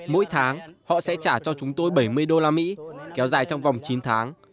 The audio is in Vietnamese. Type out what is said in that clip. mỗi tháng họ sẽ trả cho chúng tôi bảy mươi đô la mỹ kéo dài trong vòng chín tháng